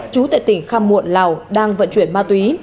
trú tại tỉnh kham muộn lào đang vận chuyển ma túy